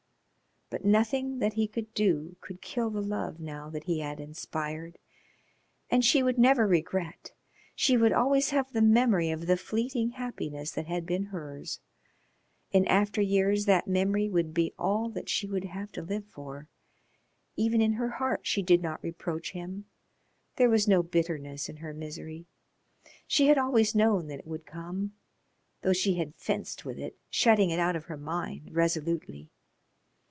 But nothing that he could do could kill the love now that he had inspired. And she would never regret. She would always have the memory of the fleeting happiness that had been hers in after years that memory would be all that she would have to live for. Even in her heart she did not reproach him, there was no bitterness in her misery. She had always known that it would come, though she had fenced with it, shutting it out of her mind resolutely.